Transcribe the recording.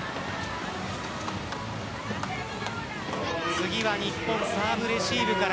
次は日本サーブレシーブから。